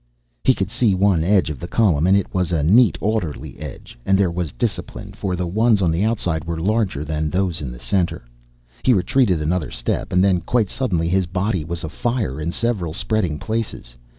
He could see one edge of the column, and it was a neat, orderly edge. And there was discipline, for the ones on the outside were larger than those in the center. He retreated another step and then, quite suddenly, his body was afire in several spreading places.